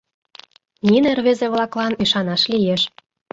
Нине рвезе-влаклан ӱшанаш лиеш.